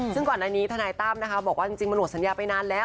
ซึ่งก่อนอันนี้ทนายตั้มนะคะบอกว่าจริงมันหมดสัญญาไปนานแล้ว